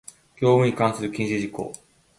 業務に関する禁止事項